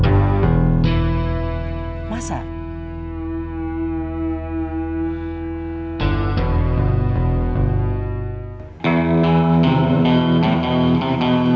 bukan saya pecat